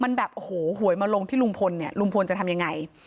มันแบบโอ้โหหวยมาลงที่ลุงพลเนี่ยลุงพลจะทำยังไง